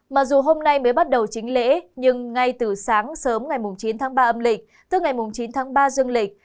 mặc dù hôm nay mới bắt đầu chính lễ nhưng ngay từ sáng sớm ngày chín tháng ba âm lịch tức ngày chín tháng ba dương lịch